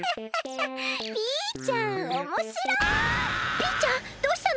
ピーちゃんどうしたの？